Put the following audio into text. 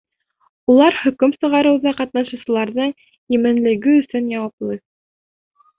Улар хөкөм сығарыуҙа ҡатнашыусыларҙың именлеге өсөн яуаплы.